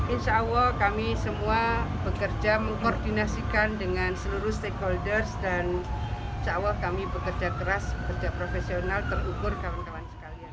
insya allah kami semua bekerja mengkoordinasikan dengan seluruh stakeholders dan insya allah kami bekerja keras bekerja profesional terukur kawan kawan sekalian